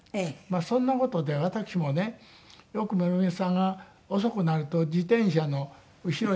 そんな事で私もねよく森光子さんが遅くなると自転車の後ろに乗せてね